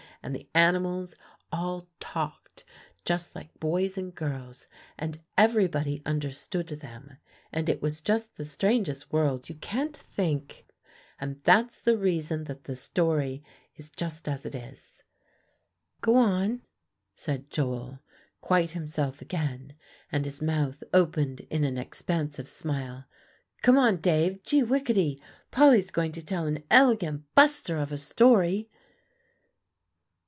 And the animals all talked just like boys and girls, and everybody understood them. And it was just the strangest world, you can't think! And that's the reason that the story is just as it is." "Go on," said Joel quite himself again, and his mouth opened in an expansive smile. "Come on, Dave. Gee whickety! Polly's going to tell an elegant buster of a story."